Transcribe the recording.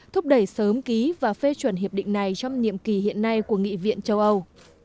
thúc đẩy sớm ký và phê chuẩn hiệp định này trong nhiệm kỳ hiện nay của nghị viện châu âu